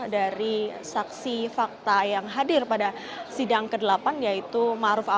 dari saksi fakta yang hadir pada sidang ke delapan yaitu maruf amin